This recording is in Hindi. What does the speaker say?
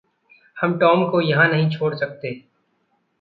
हम टॉम को यहाँ नहीं छोड़ सकते।